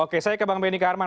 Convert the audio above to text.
oke saya ke bang benny ke arman